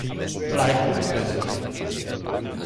Bleib, wo du bist!